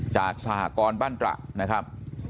จากสหกรบ้านตระนะครับ